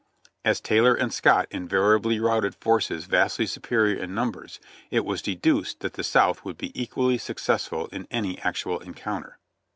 As Taylor and Scott invariably routed forces vastly superior in numbers, it was deduced that the South would be equally success ful in any actual encounter.